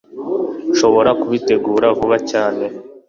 nshobora kubitegura vuba cyane